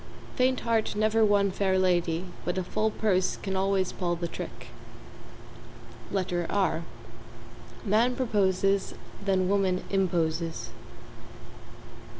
Faint heart never won fair lady but a full purse can always pull the trick. R Man proposes, then woman imposes.